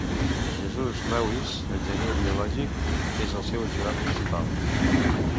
Jesus Lewis, enginyer biològic, és el seu ajudant principal.